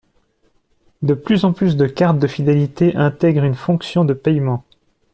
De plus en plus de cartes de fidélité intègrent une fonction de paiement.